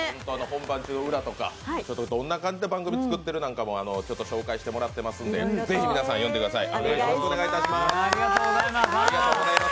本番中、裏とかどんな感じで番組を作ってるか紹介してもらってますので、ぜひ皆さん、読んでください。